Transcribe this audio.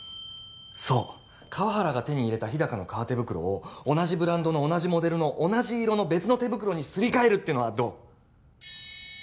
そう河原が手に入れた日高の革手袋を同じブランドの同じモデルの同じ色の別の手袋にすり替えるってのはどう？